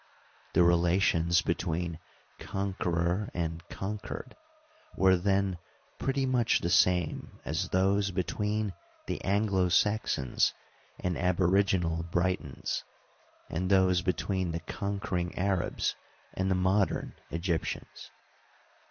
' The relations between conqueror and conquered were then pretty much the same as those between the Anglo Saxons and aboriginal Britons, and those between the conquering Arabs and the modem Egyptians.